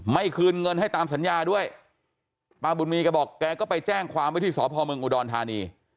คืนเงินให้ตามสัญญาด้วยป้าบุญมีแกบอกแกก็ไปแจ้งความไว้ที่สพเมืองอุดรธานี